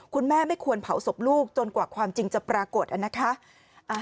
ไม่ควรเผาศพลูกจนกว่าความจริงจะปรากฏนะคะ